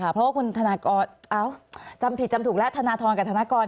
เพราะว่าคุณธนากรจำผิดจำถูกแล้วธนทรกับธนกร